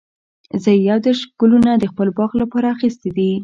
زه یو دیرش ګلونه د خپل باغ لپاره اخیستي دي.